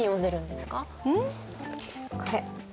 これ。